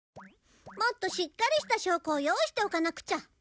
もっとしっかりした証拠を用意しておかなくちゃ。